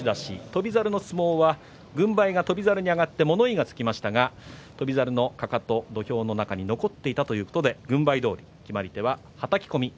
翔猿の相撲は軍配が翔猿に上がって物言いがつきましたが、翔猿のかかと、土俵の中に残っていたということで軍配どおり決まり手は、はたき込み。